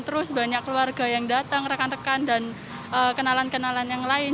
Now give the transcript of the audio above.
terus banyak keluarga yang datang rekan rekan dan kenalan kenalan yang lain